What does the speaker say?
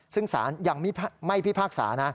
ซึ่งสารยังไม่พิพากษานะ